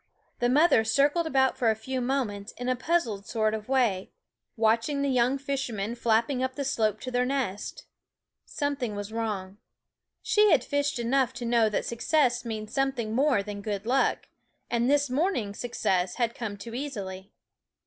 The mother circled about for a few moments in a puzzled sort of way, watching the young 1 1 1 hool for fishermen f " I 12 9 SCHOOL OJF fishermen flapping up the slope to their nest. Jl School for Something was wrong. She had fished enough to know that success means some thing more than good luck; and this morning success had come too easily.